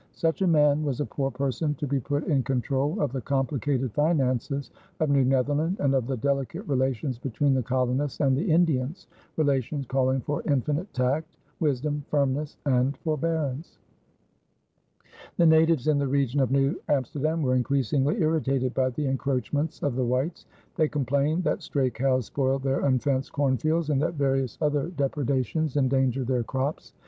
Such a man was a poor person to be put in control of the complicated finances of New Netherland and of the delicate relations between the colonists and the Indians relations calling for infinite tact, wisdom, firmness, and forbearance. The natives in the region of New Amsterdam were increasingly irritated by the encroachments of the whites. They complained that stray cows spoiled their unfenced cornfields and that various other depredations endangered their crops.